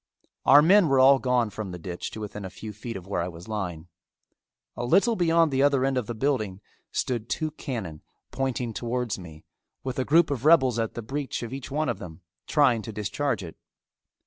Our men were all gone from the ditch to within a few feet of where I was lying. A little beyond the other end of the building stood two cannon pointing towards me with a group of rebels at the breech of each one of them trying to discharge it.